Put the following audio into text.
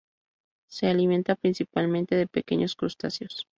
Se alimenta principalmente de pequeños crustáceos.